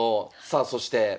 さあそして。